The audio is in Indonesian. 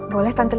boleh tante liat